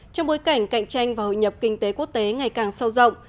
trong bối cảnh cạnh tranh và hội nhập kinh tế quốc tế ngày càng sâu rộng